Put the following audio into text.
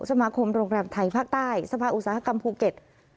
สมาคมโรงแรมไทยภาคใต้สภาอุตสาหกรรมภูเก็ต